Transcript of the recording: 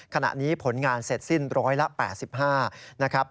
ขณะนี้ผลงานเสร็จสิ้นร้อยละ๘๕นะครับ